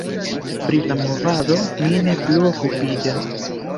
Pri la movado mi ne plu okupiĝas.